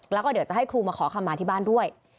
แล้วก็เดี๋ยวจะให้ครูมาขอคำมาที่บ้านด้วย